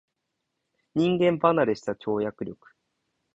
人間離れした跳躍力